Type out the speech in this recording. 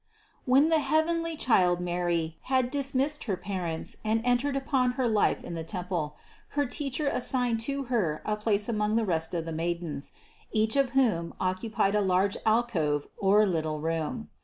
When the heavenly child Mary had dismissed her parents and entered upon her life in the temple, her teacher assigned to Her a place among the rest of the maidens, each of whom occupied a large alcove or little room.